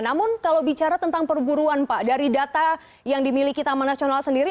namun kalau bicara tentang perburuan pak dari data yang dimiliki taman nasional sendiri